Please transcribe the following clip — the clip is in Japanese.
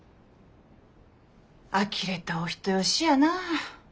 あきれたお人よしやな。